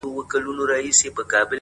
لکه د خپلې مينې «هو» چي چاته ژوند ورکوي-